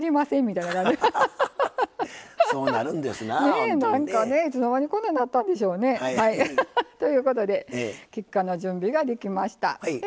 いつの間にこんなんなったんでしょうね。ということで、菊花の準備ができました。